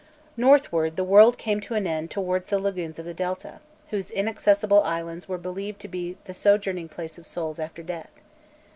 Northward, the world came to an end towards the lagoons of the Delta, whose inaccessible islands were believed to be the sojourning place of souls after death.